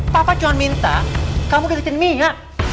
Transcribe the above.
papa cuma minta kamu gagetin mia